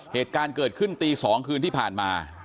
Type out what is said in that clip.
เหตุการณ์เกิดขึ้นตี๒คืนที่ผ่านมา